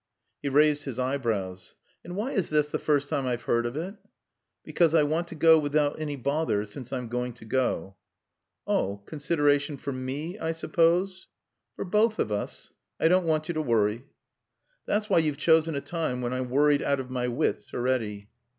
He raised his eyebrows. "And why is this the first time I've heard of it?" "Because I want to go without any bother, since I'm going to go." "Oh consideration for me, I suppose?" "For both of us. I don't want you to worry." "That's why you've chosen a time when I'm worried out of my wits already."